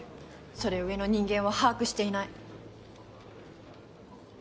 それを上の人間は把握していない。